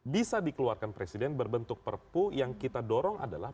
bisa dikeluarkan presiden berbentuk perpu yang kita dorong adalah